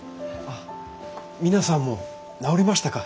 皆さんも治りましたか。